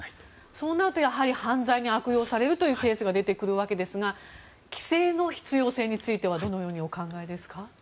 そうなると、やはり犯罪に悪用されるというケースが出てくるわけですが規制の必要性についてはどのようにお考えですか？